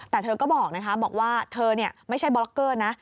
แต่เธอก็บอกนะคะบอกว่าเธอไม่ใช่บล็อกเกอร์นะ